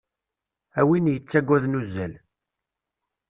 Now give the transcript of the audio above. A win yettaggaden uzzal.